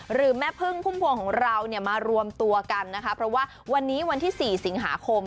แม่พึ่งพุ่มพวงของเราเนี่ยมารวมตัวกันนะคะเพราะว่าวันนี้วันที่๔สิงหาคม